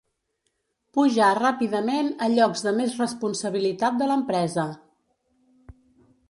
Pujar ràpidament a llocs de més responsabilitat de l'empresa.